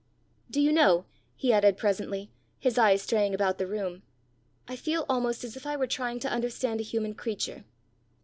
"Do you know," he added presently, his eyes straying about the room, "I feel almost as if I were trying to understand a human creature.